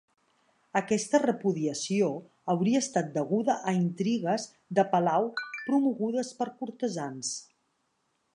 Aquesta repudiació hauria estat deguda a intrigues de palau promogudes per cortesans.